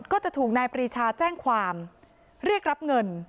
ก็จะถูกนายปรีชาแจ้งความเรียกรับเงิน